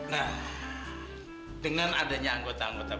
nah dengan adanya anggota anggota